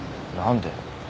何で。